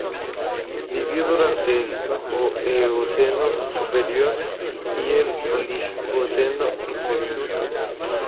Vivió durante el Eoceno superior y el Oligoceno inferior.